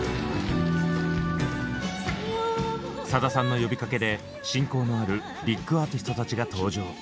さださんの呼びかけで親交のあるビッグアーティストたちが登場。